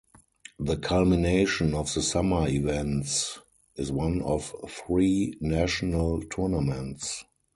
The culmination of the summer events is one of three National Tournaments.